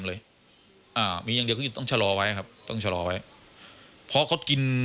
เลยอ่ามีอย่างเดียวคือต้องชะลอไว้ครับต้องชะลอไว้เพราะเขากิน